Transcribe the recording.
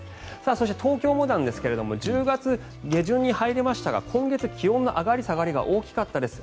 そして、東京もなんですが１０月下旬に入りましたが今月、気温の上がり下がりが大きかったです。